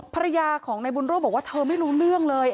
ภรรยาของนายบุญโรธบอกว่าเธอไม่รู้เรื่องเลย